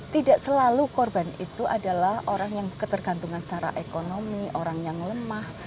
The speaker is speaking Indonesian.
tidak selalu korban itu adalah orang yang ketergantungan secara ekonomi orang yang lemah